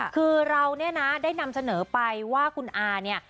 คือเราเนี่ยนะได้นำเสนอไปว่าคุณอาเนี่ย